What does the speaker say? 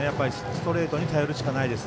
ストレートに頼るしかないです。